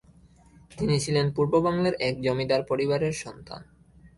তিনি ছিলেন পূর্ববাংলার এক জমিদার পরিবারের সন্তান।